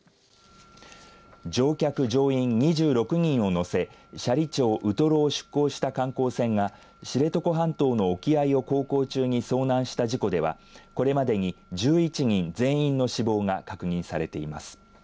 乗客、乗員２６人を乗せ斜里町ウトロを出港した観光船が、知床半島の沖合を航行中に遭難した事故ではこれまでに１１人全員の死亡が確認されています。